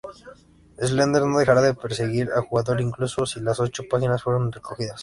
Slender no dejará de perseguir al jugador incluso si las ocho páginas fueron recogidas.